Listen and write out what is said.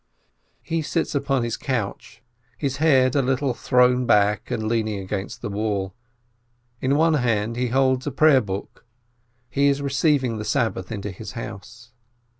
He sits upon his couch, his head a little thrown back and leaning against the wall. In one hand he holds a prayer book — he is receiving the Sabbath into his house.